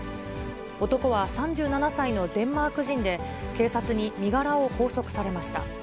男は３７歳のデンマーク人で、警察に身柄を拘束されました。